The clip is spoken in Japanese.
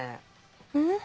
うん？